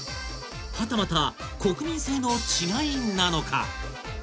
はたまた国民性の違いなのか？